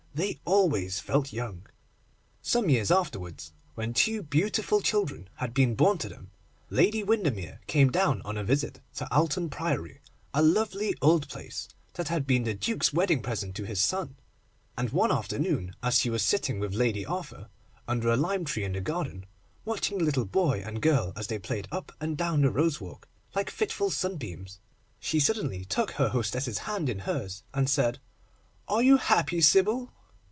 They always felt young. Some years afterwards, when two beautiful children had been born to them, Lady Windermere came down on a visit to Alton Priory, a lovely old place, that had been the Duke's wedding present to his son; and one afternoon as she was sitting with Lady Arthur under a lime tree in the garden, watching the little boy and girl as they played up and down the rose walk, like fitful sunbeams, she suddenly took her hostess's hand in hers, and said, 'Are you happy, Sybil?